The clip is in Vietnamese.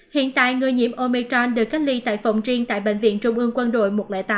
hiện tại người nhiễm omechain được cách ly tại phòng riêng tại bệnh viện trung ương quân đội một trăm linh tám